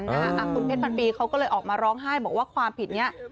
คุณเพชรพันปีเขาก็เลยออกมาร้องไห้บอกว่าความผิดนี้